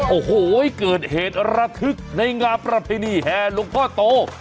โอ้โหเกิดเหตุระทึกในงามประเพณีแห่หลวงพ่อโต